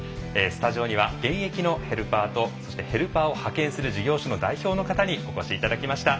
スタジオには現役のヘルパーとそしてヘルパーを派遣する事業所の代表の方にお越しいただきました。